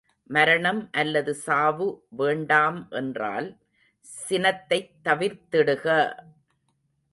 மரணம் அல்லது சாவு வேண்டாம் என்றால் சினத்தைத் தவிர்த்திடுக!